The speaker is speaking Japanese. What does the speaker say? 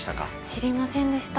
知りませんでした。